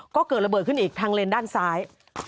ก็เกิดระเบิดขึ้นอีกทางเลนด้านซ้าย